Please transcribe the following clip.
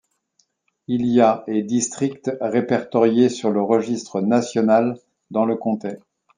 Il y a et districts répertoriés sur le registre national dans le comté.